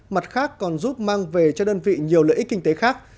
mặt khác còn giúp mang về cho đơn vị nhiều lợi ích kinh tế khác